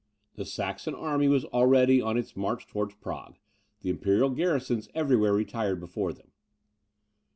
The Saxon army was already on its march towards Prague, the imperial garrisons everywhere retired before them.